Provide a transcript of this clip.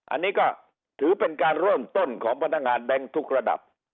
อันนี้ก็ถือเป็นการเริ่มต้นของพนักงานแบงค์ทุกระดับ